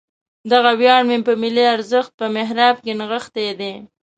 دغه ویاړ مې په ملي ارزښت په محراب کې نغښتی دی.